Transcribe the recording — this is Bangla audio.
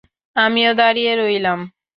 আমিও দাঁড়িয়ে রইলাম।